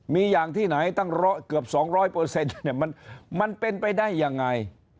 มีอย่างที่ไหนตั้งเกือบ๒๐๐มันเป็นไปได้ยังไง